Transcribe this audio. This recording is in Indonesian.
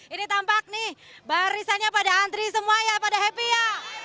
ini tampak nih barisannya pada antri semua ya pada happy ya